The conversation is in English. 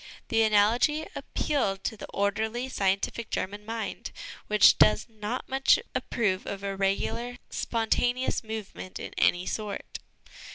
The analogy appealed to the orderly, scientific German mind, which does not much approve of irregular, spontaneous movement in any sort.